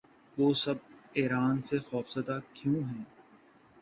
وہ سب ایران سے خوف زدہ کیوں ہیں؟